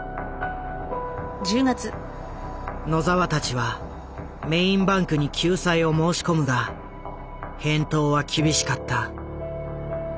野澤たちはメインバンクに救済を申し込むが返答は厳しかった。